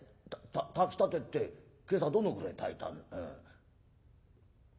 炊きたてって今朝どのぐらい炊いたうん２升？